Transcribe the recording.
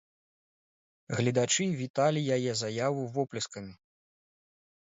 Гледачы віталі яе заяву воплескамі.